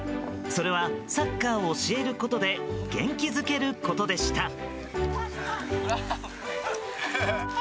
それはサッカーを教えることで元気づけることでした。